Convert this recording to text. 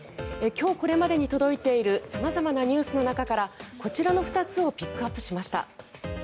今日これまでに届いている様々なニュースの中からこちらの２つをピックアップしました。